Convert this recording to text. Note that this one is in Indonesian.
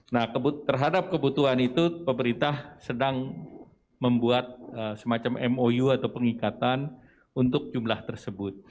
nah terhadap kebutuhan itu pemerintah sedang membuat semacam mou atau pengikatan untuk jumlah tersebut